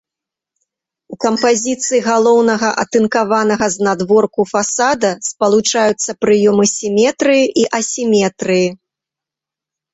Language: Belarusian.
У кампазіцыі галоўнага атынкаванага знадворку фасада спалучаюцца прыёмы сіметрыі і асіметрыі.